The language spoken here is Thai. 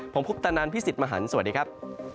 ผมคุปตะนันพี่สิทธิ์มหันฯสวัสดีครับ